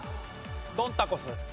ドンタコス。